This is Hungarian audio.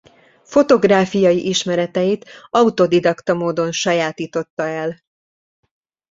Fotográfiai ismereteit autodidakta módon sajátította el.